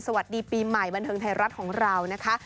สวัสดีปีใหม่บันเทิงไทยรัฐของเรานะคะ